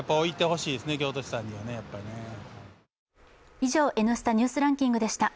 以上、「Ｎスタ・ニュースランキング」でした。